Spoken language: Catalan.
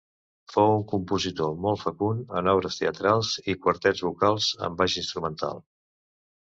Fou un compositor molt fecund en obres teatrals i quartets vocals amb baix instrumental.